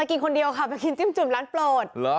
กินคนเดียวค่ะไปกินจิ้มจุ่มร้านโปรด